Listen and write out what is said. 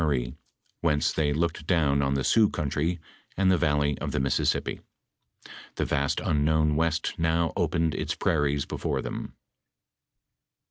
Marie, whence they looked down on the Sioux country and the valley of the Mississippi. The vast unknown west now opened its prairies before them.